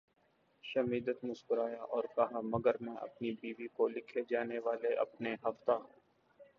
Schmidt مسکرایا اور کہا مگر میں اپنی بیوی کو لکھے جانے والے اپنے ہفتہ